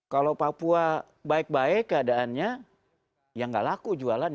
kalau papua baik baik keadaannya ya nggak laku jualannya